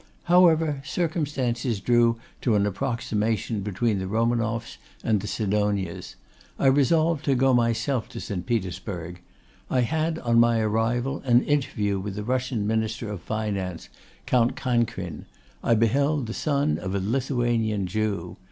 However, circumstances drew to an approximation between the Romanoffs and the Sidonias. I resolved to go myself to St. Petersburg. I had, on my arrival, an interview with the Russian Minister of Finance, Count Cancrin; I beheld the son of a Lithuanian Jew.